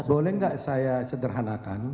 boleh gak saya sederhanakan